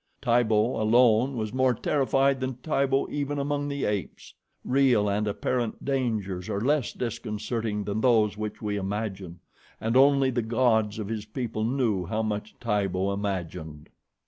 Tibo alone was more terrified than Tibo even among the apes. Real and apparent dangers are less disconcerting than those which we imagine, and only the gods of his people knew how much Tibo imagined.